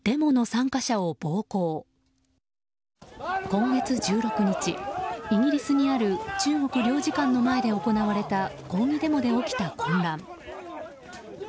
今月１６日イギリスにある中国領事館の前で行われた抗議デモで起きた混乱。